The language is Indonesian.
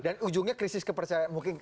dan ujungnya krisis kepercayaan mungkin